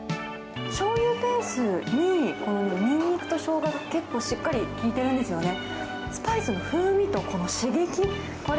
しょうゆベースに、このニンニクとショウガが結構しっかり効いてるんですよね。